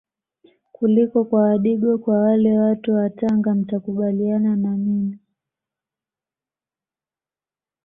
kuliko kwa wadigo kwa wale watu wa Tanga mtakubaliana na mimi